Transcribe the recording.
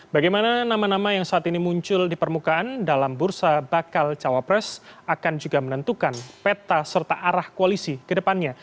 bagaimana nama nama yang saat ini muncul di permukaan dalam bursa bakal cawapres akan juga menentukan peta serta arah koalisi ke depannya